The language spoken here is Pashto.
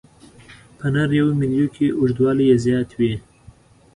په نریو میلو کې اوږدوالی یې زیات وي.